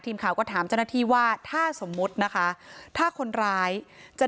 ทีมข่าวก็ถามเจ้าหน้าที่ว่าถ้าสมมุตินะคะถ้าคนร้ายจะ